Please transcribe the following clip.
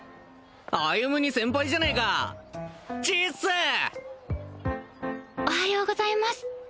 歩に先輩じゃねえかちいっすおはようございます